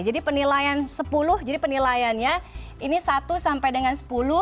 jadi penilaian sepuluh jadi penilaiannya ini satu sampai dengan sepuluh